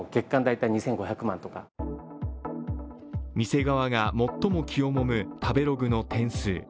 店側が最も気をもむ食べログの点数。